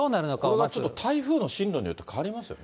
これちょっと台風の進路によって変わりますよね。